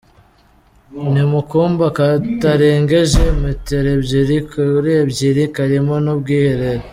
Ni mu kumba katarengeje metero ebyiri kuri ebyiri, karimo n’ubwiherero.